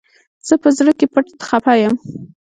زه په زړه کي پټ خپه يم